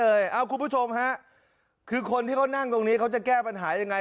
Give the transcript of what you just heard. เอาคุณผู้ชมฮะคือคนที่เขานั่งตรงนี้เขาจะแก้ปัญหายังไง